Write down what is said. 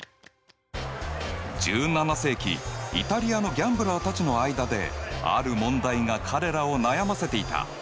１７世紀イタリアのギャンブラーたちの間である問題が彼らを悩ませていた。